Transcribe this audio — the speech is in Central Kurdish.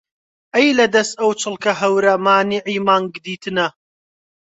ئەی لە دەس ئەو چڵکە هەورە مانیعی مانگ دیتنە